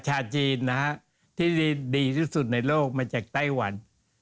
ชาวจีนนะฮะที่ดีที่สุดในโลกมาจากไต้หวัน